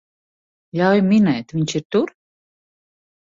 Ļauj minēt, viņš ir tur?